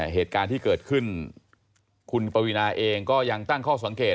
เหตุการณ์ที่เกิดขึ้นคุณปวีนาเองก็ยังตั้งข้อสังเกต